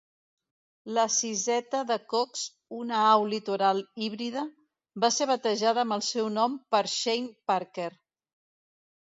La siseta de Cox, una au litoral híbrida, va ser batejada amb el seu nom per Shane Parker.